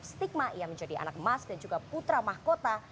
stigma ia menjadi anak emas dan juga putra mahkota